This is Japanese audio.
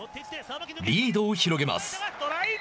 リードを広げます。